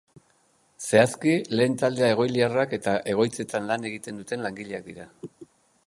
Zehazki, lehen taldea egoiliarrak eta egoitzetan lan egiten duten langileak dira.